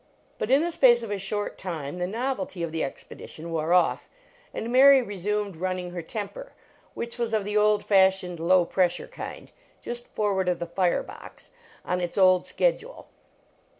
But in the space of a short time, the nov elty of the expedition wore off, and Mary resumed running her temper which was of the old fashioned, low pressure kind, just forward of the fire box on its old schedule.